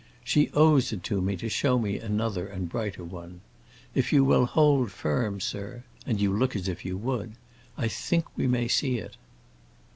She owes it to me to show me another and a brighter one. If you will hold firm, sir—and you look as if you would—I think we may see it."